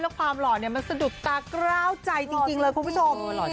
แล้วความหล่อเนี่ยมันสะดุดตากล้าวใจจริงเลยคุณผู้ชม